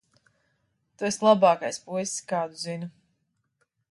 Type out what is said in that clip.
Tu esi labākais puisis, kādu zinu.